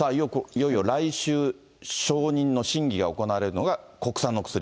いよいよ来週、承認の審議が行われるのが、国産の薬。